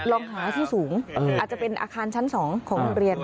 ลองหาที่สูงอาจจะเป็นอาคารชั้น๒ของโรงเรียน